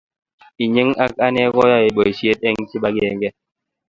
Inye ak ane keyoe boisiet eng kibagenge